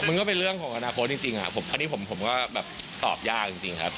มันก็เป็นเรื่องของอนาคตจริงอ่ะเพราะนี่ผมก็ตอบยากจริงครับ